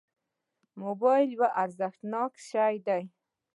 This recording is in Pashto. موبایل یو ارزښتناک شی دی.